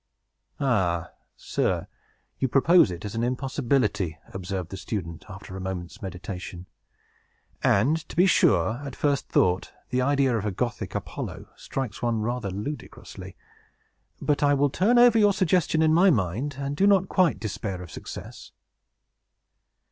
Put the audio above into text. "Ah, sir, you propose it as an impossibility," observed the student, after a moment's meditation; "and, to be sure, at first thought, the idea of a Gothic Apollo strikes one rather ludicrously. But I will turn over your suggestion in my mind, and do not quite despair of success."